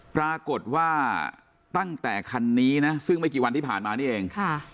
ปรากฏว่าตั้งแต่คันนี้นะซึ่งไม่กี่วันที่ผ่านมานี่เอง